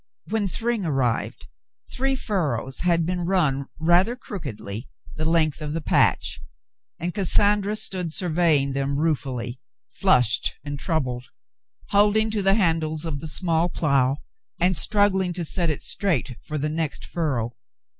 When Thryng ar rived, three furrows had been run rather crookedly the length of the patch, and Cassandra stood surveying them ruefully, flushed and troubled, holding to the handles of the small plough and struggling to set it straight for the next furrow.